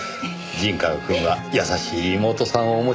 陣川くんは優しい妹さんをお持ちですねぇ。